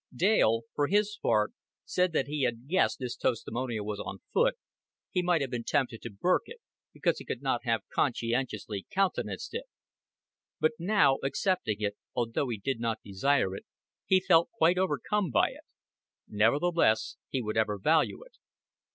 Dale, for his part, said that "had he guessed this testimonial was on foot, he might have been tempted to burk it, because he could not have conscientiously countenanced it. But now accepting it, although he did not desire it, he felt quite overcome by it. Nevertheless he would ever value it."